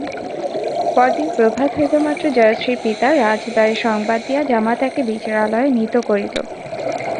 পর দিন প্রভাত হইবামাত্র জয়শ্রীর পিতা রাজদ্বারে সংবাদ দিয়া জামাতাকে বিচারালয়ে নীত করিল।